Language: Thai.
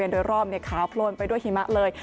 โดยรอบขาวโพลนไปด้วยหิมะเลย